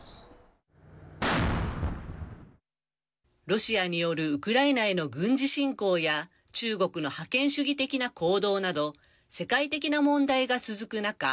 ロシアによるウクライナへの軍事侵攻や中国の覇権主義的な行動など世界的な問題が続く中